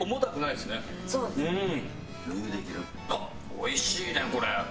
おいしいね、これ！